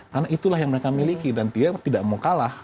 karena itulah yang mereka miliki dan tidak mau kalah